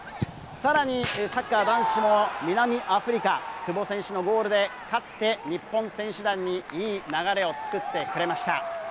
さらにサッカー男子も南アフリカ、久保選手のゴールで勝って、日本選手団にいい流れを作ってくれました。